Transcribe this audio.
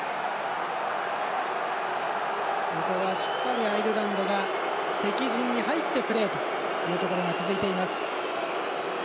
ここはしっかりアイルランドが敵陣に入ってプレーというところが続いています。